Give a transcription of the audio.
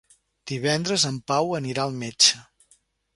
Divendres en Pau anirà al metge.